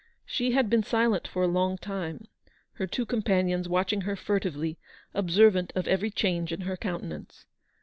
She had been silent for a long time: her two companions watching her furtively, observant of every change in her countenance.